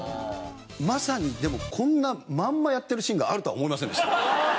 まさにでもこんなまんまやってるシーンがあるとは思いませんでした。